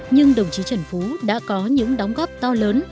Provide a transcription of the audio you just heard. nhưng đồng chí trần phú đã có những đóng góp to lớn